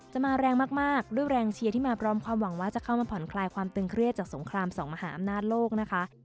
มาแรงมากด้วยแรงเชียร์ที่มาพร้อมความหวังว่าจะเข้ามาผ่อนคลายความตึงเครียดจากสงครามสองมหาอำนาจโลกนะคะ